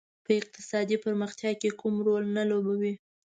په اقتصادي پرمختیا کې کوم رول نه لوبوي.